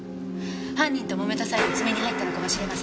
犯人ともめた際に爪に入ったのかも知れません。